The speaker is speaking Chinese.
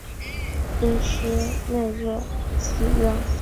阴虚内热忌用。